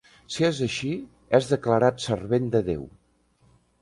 Si és així, és declarat Servent de Déu.